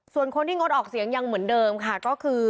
ส่วนคนที่งดออกเสียงยังเหมือนเดิมค่ะก็คือ